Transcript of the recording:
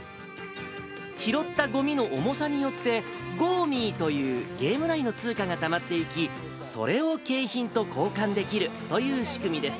拾ったごみの重さによって、ゴーミーというゲーム内の通貨がたまっていき、それを景品と交換できるという仕組みです。